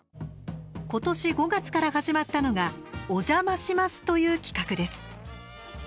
今年５月から始まったのが「おじゃまシマス」という企画です。